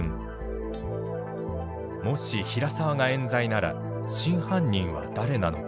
もし平沢が冤罪なら真犯人は誰なのか。